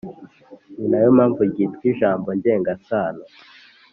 nina yo mpamvu ryitwa ijambo ngengasano.